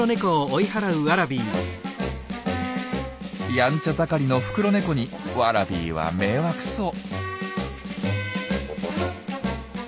やんちゃ盛りのフクロネコにワラビーは迷惑そう。